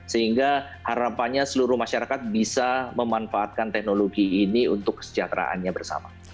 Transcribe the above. sehingga harapannya seluruh masyarakat bisa memanfaatkan teknologi ini untuk kesejahteraannya bersama